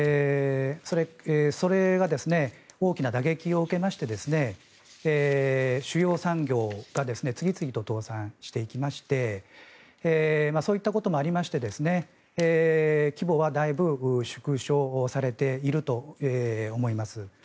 それが大きな打撃を受けまして主要産業が次々と倒産していきましてそういったこともありまして規模はだいぶ縮小されていると思います。